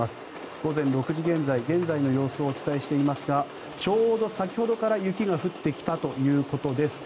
午前６時現在、現在の様子をお伝えしていますがちょうど先ほどから雪が降ってきたということです。